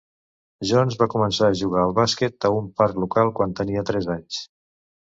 Jones va començar a jugar al bàsquet a un parc local quan tenia tres anys.